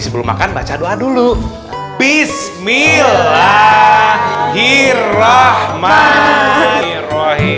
sebelum makan baca doa dulu bismillahirrahmanirrahim